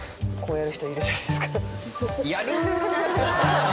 やる！